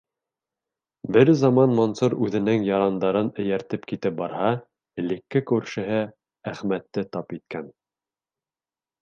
Бер заман Мансур үҙенең ярандарын эйәртеп китеп барһа, элекке күршеһе Әхмәтте тап иткән.